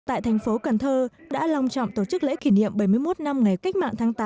tại thành phố cần thơ đã lòng trọng tổ chức lễ kỷ niệm bảy mươi một năm ngày cách mạng tháng tám